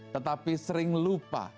tetapi sering lupa